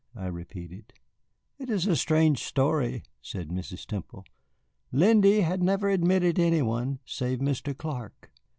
I repeated. "It is a strange story," said Mrs. Temple. "Lindy had never admitted any one, save Mr. Clark.